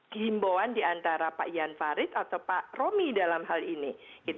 dihimbauan diantara pak ian farid atau pak romy dalam hal ini